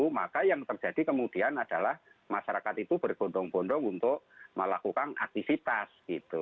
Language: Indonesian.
maka yang terjadi kemudian adalah masyarakat itu bergondong bondong untuk melakukan aktivitas gitu